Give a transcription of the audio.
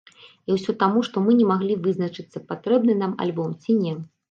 І ўсё таму, што мы не маглі вызначыцца, патрэбны нам альбом, ці не.